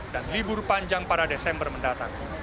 dan libur panjang pada desember mendatang